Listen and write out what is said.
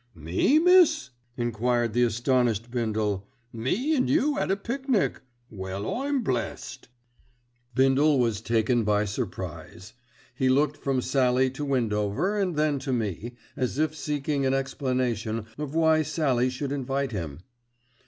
"Me, miss?" enquired the astonished Bindle. "Me an' you at a pic nic. Well I'm blessed." Bindle was taken by surprise. He looked from Sallie to Windover and then to me, as if seeking an explanation of why Sallie should invite him.